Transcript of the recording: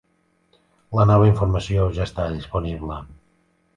La nova informació ja està disponible.